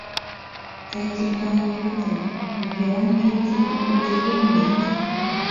Тый тӱнялан йӧрдымӧ, нигӧлан кӱлдымӧ уто еҥ улат.